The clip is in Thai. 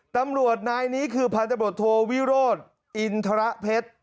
ตำรวจนายนี้คือพันธบรรโธโวิโรศอินทรพศ